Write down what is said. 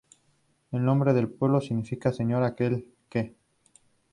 El nombre del pueblo significa "Señor aquel que".